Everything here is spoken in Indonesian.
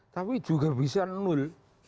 tapi juga bisa nul